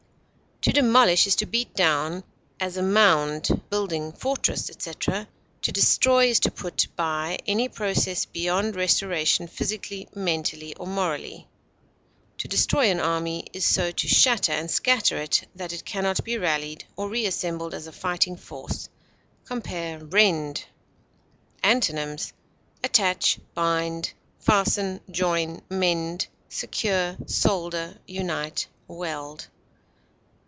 To demolish is to beat down, as a mound, building, fortress, etc.; to destroy is to put by any process beyond restoration physically, mentally, or morally; to destroy an army is so to shatter and scatter it that it can not be rallied or reassembled as a fighting force. Compare REND. Antonyms: attach, bind, fasten, join, mend, secure, solder, unite, weld.